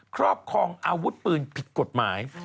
ครอบครองอาวุธปืนผิดกฎหมาย